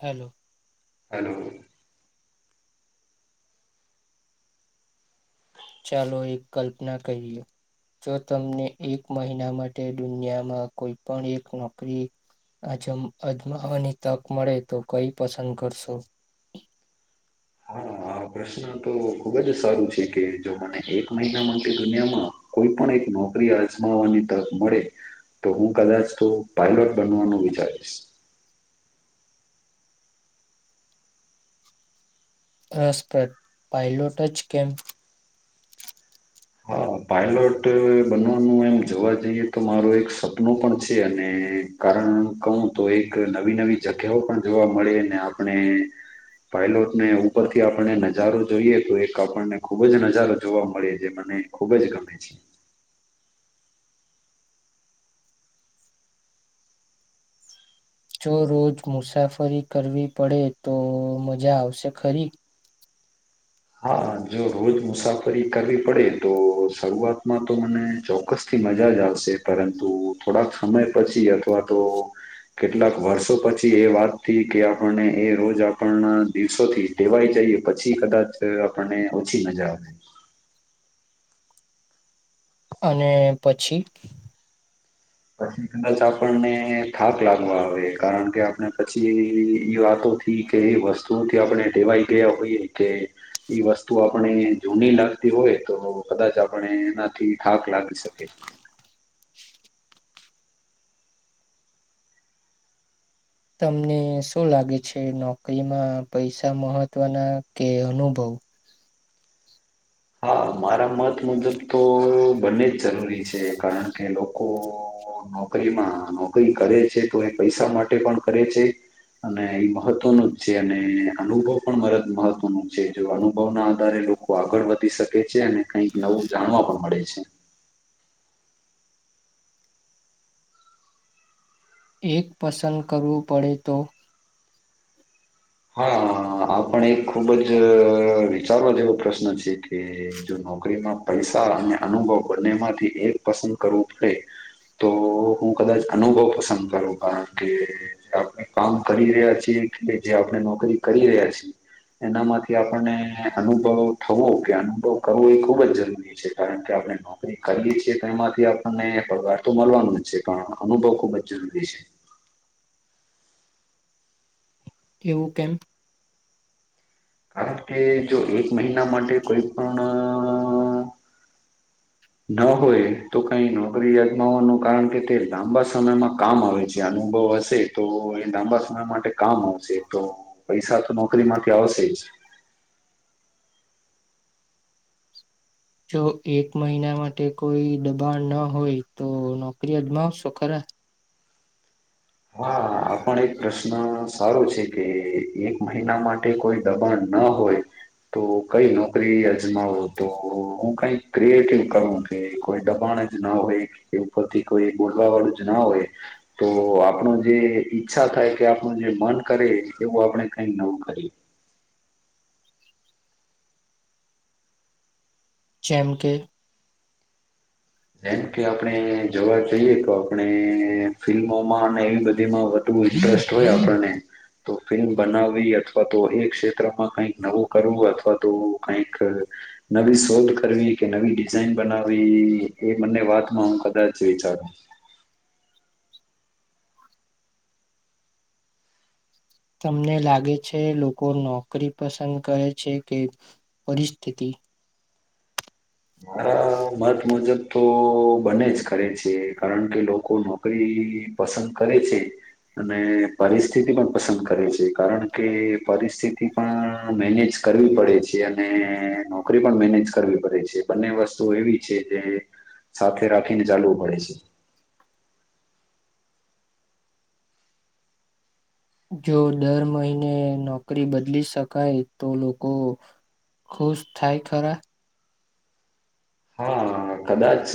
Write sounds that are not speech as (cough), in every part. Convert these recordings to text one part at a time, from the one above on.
Hello. Hello. ચાલો એક કલ્પના કહીએ. જો તમને એક મહિના માટે દુનિયામાં કોઈ પણ એક નોકરી આજમ અજમાવાની તક મળે તો કઈ પસંદ કરશો? (inaudible) આ પ્રશ્ન તો ખુબ જ સારું છે કે જો મને એક મહિના માટે દુનિયામાં કોઈ પણ એક નોકરી અજમાવવાની તક મળે. તો હું કદાચ તો પાયલોટ બનવાનું વિચારીશ. રસપ્રદ પાયલોટ ચ કેમ? હ પાયલોટ બનવાનું એમ જોવા જઈએ તો મારો એક સપનું પણ છે અને કારણ કહું તો એક નવી નવી જગ્યાઓ પણ જોવા મળે ને આપણે પાયલોટને ઉપરથી આપણને નજારો જોઈએ તો એક આપણને ખુબ જ નજારો જોવા મળે જે મને ખૂબ જ ગમે છે. જો રોજ મુસાફરી કરવી પડે તો મજા આવશે ખરી? હા જો રોજ મુસાફરી કરવી પડે તો શરૂઆતમાં તો મને ચોક્કસથી મજા જ આવશે પરંતુ થોડાક સમય પછી અથવા તો કેટલાક વર્ષો પછી એ વાત થી કે આપણને એ રોજ આપણના દિવસોથી ટેવાય જઈએ પછી કદાચ આપણને ઓછી મજા આવે. અને પછી પછી કદાચ આપણને થાક લાગવા આવે કારણ કે આપણે પછી એ વાતો થી કે વસ્તુઓથી આપણે ટેવાઈ ગયા હોઈએ કે ઈ વસ્તુ આપણે જૂની લાગતી હોય તો કદાચ આપણે એનાથી થાક લાગી શકે (inaudible) તમને શું લાગે છે નોકરીમાં પૈસા મહત્વના કે અનુભવ. હા મારા મત મુજબ તો બંને જ જરૂરી છે કારણ કે લોકો ઓ નોકરીમાં નોકરી કરે છે તો એ પૈસા માટે પણ કરે છે. અને એ મહત્વનું જ છે અને અનુભવ પણ મરત મહત્વ નો છે જો અનુભવ ના આધારે લોકો આગળ વધી શકે છે અને કઈક નવું જાણવા પણ મળે છે. એક પસંદ કરવું પડે તો. હા આપણે એક ખુબ જ વિચારવા જેવો પ્રશ્ન છે કે જો નોકરીમાં પૈસા અને અનુભવ બંને માંથી એક પસંદ કરવું પડે તો હું કદાચ અનુભવ પસંદ કરું કારણ કે આપણે કામ કરી રહ્યા છીએ કે જે આપણે નોકરી કરી રહ્યા છીએ એનામાંથી આપણને અનુભવ થવો કે અનુભવ કરવો એ ખુબ જ જરૂરી છે કારણ કે આપણે નોકરી કરીએ છીએ તો એમાંથી આપણને પગવાર તો મળવાનો જ છે પણ અનુભવ ખુબ જ જરૂરી છે. (inaudible) એવું કેમ કારણ કે જો એક મહિના માટે કોઈ પણ ન હોય તો કઈ નોકરી અજમાવાનું કારણ કે તે લાંબા સમયમાં કામ આવે છે અને અનુભવ હશે તો એ લાંબા સમય માટે કામ આવશે તો પૈસા તો નોકરીમાંથી આવશે જ (unintelligible) જો એક મહિના માટે કોઈ દબાણ ન હોય તો નોકરી અજમાવશો ખરા હા આપ પણ એક પ્રશ્ન સારો છે કે એક મહિના માટે કોઈ દબાણ ના હોય તો કઈ નોકરી અજમાવો તો હું કઈ ક્રિએટિવ કરવું કે કોઈ દબાણ જ ના હોય કે ઉપરથી કોઈ બોલવા વાળું જ ના હોય તો આપ આપણું જે ઈચ્છા થાય કે આપણું જે મન કરે એવું આપણે કઈક નવું કરીએ જેમ કે જેમ કે આપણે જોવા જઈએ તો આપણે ફિલ્મોમાં અને એવી બધી માં વધુ ઇન્ટરેસ્ટ હોય આપણને તો ફિલ્મ બનાવવી અથવા તો એ ક્ષેત્રમાં કઈક નવું કરવું અથવા તો કંઈક નવી સોધ કરવી કે નવી ડિઝાઇન બનાવી એ મને વાતમાં હું કદાચ વિચારું તમને લાગે છે લોકો નોકરી પસંદ કરે છે કે પરિસ્થિતિ હ (inaudible) મારા મત મુજબ તો બને જ કરે છે કારણ કે લોકો નોકરી પસંદ કરે છે... અને પરિસ્થિતિ પણ પસંદ કરે છે કારણ કે પરિસ્થિતિ પણ મેનેજ કરવી પડે છે અને નોકરી પણ મેનેજ કરવી પડે છે. બંને વસ્તુઓ એવી છે જે સાથે રાખીને ચાલવું પડે છે. જો દર મહિને નોકરી બદલી શકાય તો લોકો ખુશ થાય ખરા હા. કદાચ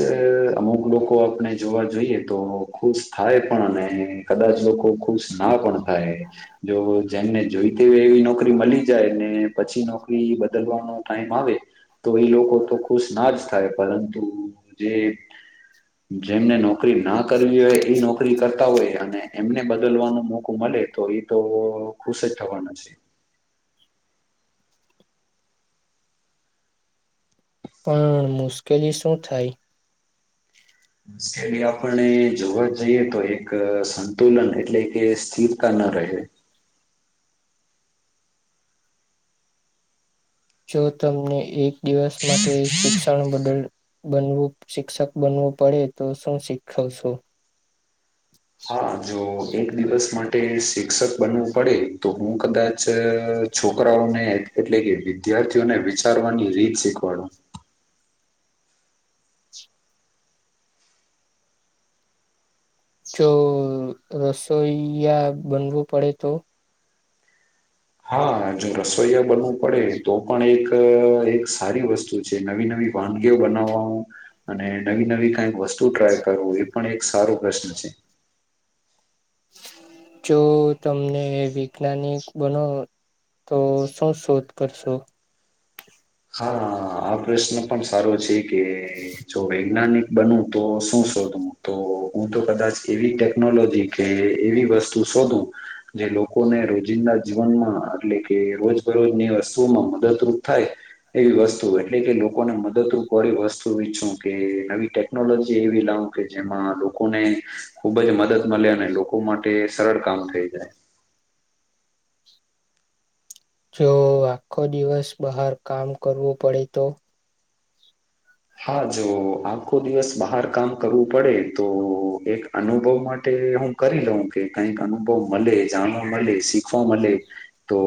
અમુક લોકો આપણે જોવા જોઈએ તો ખુશ થાય પણ અને કદાચ લોકો ખુશ ના પણ થાય જો જેમને જોઈતી હોય એવી નોકરી મળી જાય ને પછી નોકરી બદલવાનો ટાઈમ આવે તો એ લોકો તો ખુશ ના જ પરંતુ જે જેમને નોકરી ના કરવી હોય એ નોકરી નોકરી કરતા હોય અને એમને બદલવાનો મોકો મળે તો એ તો ખુશ જ થવાનો છે પણ મુશ્કેલી શું થાય સ્કેલી આપડને જોવા જઈએ તો એક સંતુલન એટલે કે સ્થિરતા ન ન રહે. જો તમને એક દિવસ માટે શિક્ષણ બદલ બનવું શિક્ષક બનવું પડે તો શું શીખવ સો? હા જો એક દિવસ મા ટે શિક્ષક બનવું પડે, તો હું કદાચ છોકરાઓને એટલે કે વિદ્યા વિદ્યાર્થીઓને વિચારવાની રીત શીખવાડુ. જો રસોઈયા બનવું પડે તો? હા જો રસોઈયા બનવું પડે તો પણ એક એક સારી વસ્તુ છે નવી નવી વાનગીઓ બનાવા અને નવી નવી કાઈક વસ્તુ ટ્રાય કરવું, એ પણ એક સારો પ્રશ્ન છે. જો તમને વિજ્ઞાનિક બનો તો શું શોધ કરશું? હા આ પ્રશ્ન પણ સારો છે કે જો વૈજ્ઞાનિક બન તો શું શો ધૂ, તો હું તો કદાચ એવી ટેકનોલોજી કે એવી વસ્તુ શોધું, જે લો કોને રોજિંદા જીવનમાં અટલે કે રોજ બરોજની વસ્તુઓમાં મદદરૂપ થાય એવી વસ્તુ એટલે કે લોકોને મદદરૂપ વાડી વસ્તુ વીછું કે નવી ટેકનોલોજી એવી લા વુ કે જેમાં લોકોને ખુબ જ મદદ મલે અને લોકો માટે સરળ કામ થઈ જાય. (inaudible) જો આખો દિવસ બહાર કામ કરવું પડે તો? હા જો આખો દિવસ બાહાર કામ કરવું પડે તો, એક અનુભવ માટે હું કરી લઉં કે કઈક અનુભવ મલે, જાણવા મલે શીખવા મલે, તો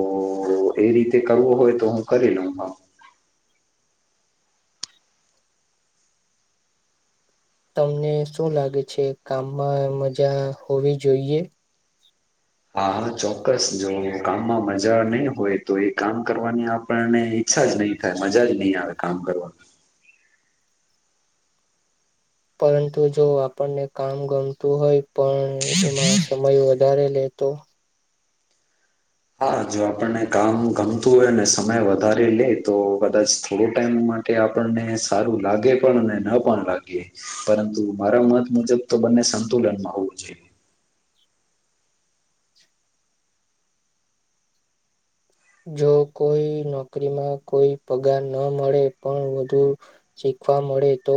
તો એ રીતે કરવો હોય તો હું કરી લઉ હ. તમને શું લાગે છે કામમાં મજા હોવી જોઈએ? હા હા ચોક્કસ જોઇયે, કામમાં મજા નહી હોય તો એ કામ કરવાની આપણને ઇચ્છા જ નહીં થાય મજા જ નહીં આવે કામ કરવાનું. પરંતુ જો આપણને કામ ગમતું હોય પણ એમાં સમય વધારે લે તો? હા જો આપણને કામ ગમતું હોય ને સમય વધારે લે, તો કદાચ થોડો ટાઈમ માટે આપને સારું લાગે પણ અને પણ લાગે, પરંતુ મારા મત મુજબ તો બ ન્ને સંતુલનમાં હોવું જોઈએ. જો કોઈ નોકરીમાં કોઈ પગાર ન મળે પણ વધુ ચી ખવા મળે તો?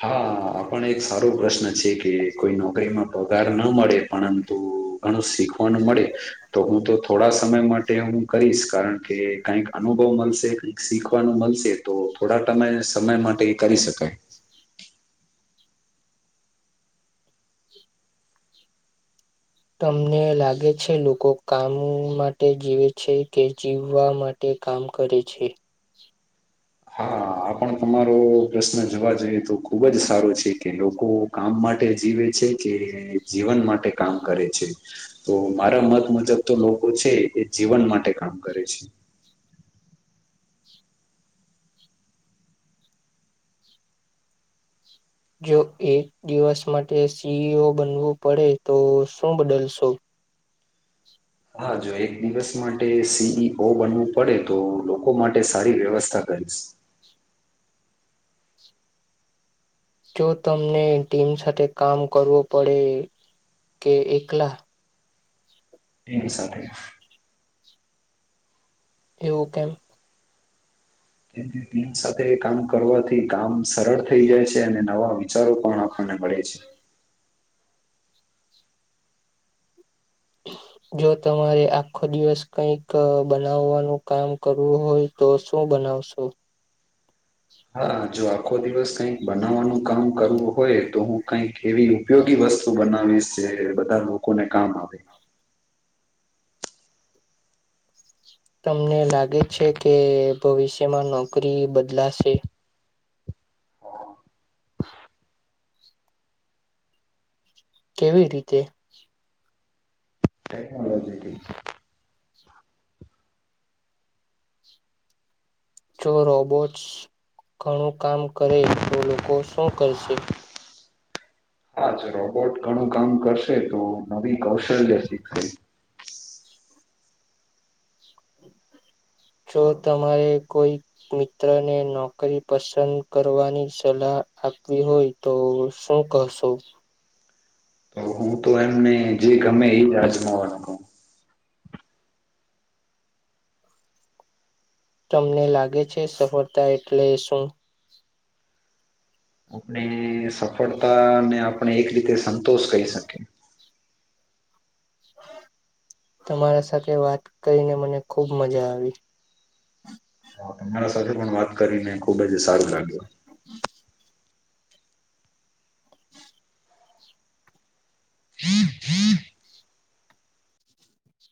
હા આપણ એક સારો પ્રશ્ન છે કે કોઈ નોકરીમાં પગાર ન મળે, પરંતુ ઘણું શીખવાનું મળે, તો હું તો થોડા સમય માટે હું કરીશ. કારણ કે કઈક અનુભવ મલશે, કઈક શીખવાનો મલશે તો થોડાક તમે સમય માટે એ કરી શકાય. તમને લાગે છે લોકો કામ માટે જીવે છે કે જીવવા માટે કામ કરે છે? હા આ પણ તમારો પ્રશ્ન જોવા જોઈએ તો ખુબ જ સારો છે કે લોકો કામ માટે જીવે છે કે જીવન માટે કામ કરે છે? તો મારા મત મુજબ તો લોકો છે એ જીવન માટે કામ કરે છે. જો એક દિવસ માટે સી ઈ ઓ બનવું પડે તો શું બદલશો? હા જો એક દિવસ માટે સી ઈ ઓ બનવું પડે તો લોકો માટે સારી વ્યવસ્થા કરી સ. જો તમને ટીમ સાથે કામ કરવું પડે કે એકલા? ટીમ સાથે. એવું કેમ? કેમ કે ટીમ સાથે કામ કરવાથી કામ સરળ થઈ જાય છે અને નવા વિચારો પણ આપ મળે છે. જો તમારે આખો દિવસ કઈક બનાવવાનું કામ કરવું હોય તો શું બનાવશો હા જો આખો દિવસ કઈક બનાવવાનું કામ કરવું હોય તો હું કઈક એવી ઉપયોગી બ વસ્તુ બનાવીશ જે બધા લોકોને કામ આવે તમને લાગે છે કે ભવિષ્યમાં નોકરી બદલાશે કેવી રીતે ટેકનોલોજીથી જો રોબોટ્સ ઘણું કામ કરે તો લોકો શું કરશે હાજ રોબોટ ઘણું કામ કરશે તો નવી કૌશલ્ય શીખશે (inaudible) જો તમારે કોઈ મિત્ર ને નોકરી પસંદ કરવાની સલાહ આપવી હોય તો શું કહશો તો હું તો એમને જે ગમે એ અજમાવાનું કહું તમને લાગે છે સફળતા એટલે શું? આપણે સફળતા ને આપણે એક રીતે સંતોષ કહી શકીએ હ (inaudible) તમારા સાથે વાત કરીને મને ખૂબ મજા આવી તમારા સાથે પણ વાત કરીને ખુબ જ સારું લાગ્યો હી જી (inaudible)